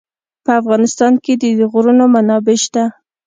په افغانستان کې د غرونه منابع شته.